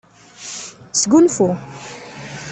Sgunfu.